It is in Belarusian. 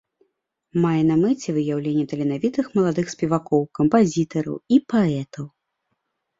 Мае на мэце выяўленне таленавітых маладых спевакоў, кампазітараў і паэтаў.